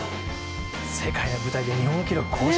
世界の舞台で日本記録更新。